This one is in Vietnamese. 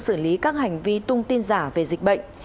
xử lý các hành vi tung tin giả về dịch bệnh